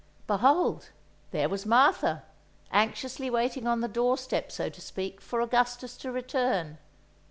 Behold, there was Martha, anxiously waiting on the doorstep, so to speak, for Augustus to return.